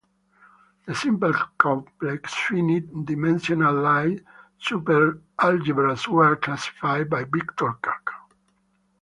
The simple complex finite-dimensional Lie superalgebras were classified by Victor Kac.